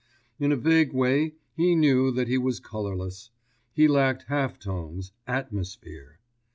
In a vague way he knew that he was colourless: he lacked half tones, atmosphere.